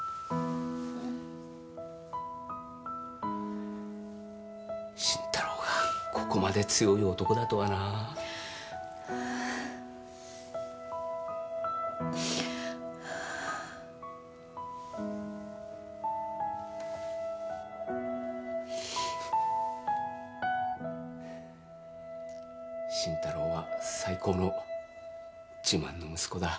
うん慎太郎がここまで強い男だとはなぁ慎太郎は最高の自慢の息子だ